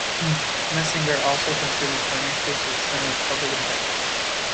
Messinger also contributes financially to the Center for Public Integrity.